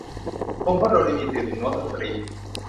คงเพราะโดเรมี สื่อถึงโน๊ตดนตรี